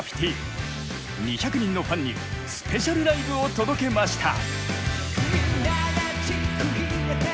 ２００人のファンにスペシャルライブを届けました。